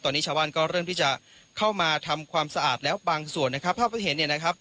ตอนนี้ชาวบ้านก็เริ่มที่จะเข้ามาทำความสะอาดแล้วบางส่วนนะครับภาพที่เห็นเนี่ยนะครับ